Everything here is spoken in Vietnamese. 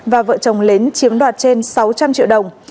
và vợ chồng lớn chiếm đoạt trên sáu trăm linh triệu đồng